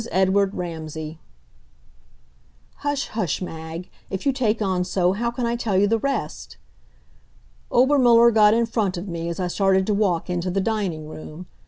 EDWARD RAMSAY Hush, hush, Mag; if you take on so, how can I tell you the rest? Obermuller got in front of me as I started to walk into the dining room.